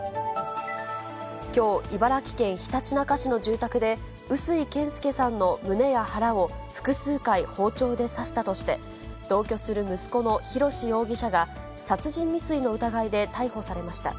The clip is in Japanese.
きょう、茨城県ひたちなか市の住宅で、薄井健介さんの胸や腹を複数回包丁で刺したとして、同居する息子の弘志容疑者が、殺人未遂の疑いで逮捕されました。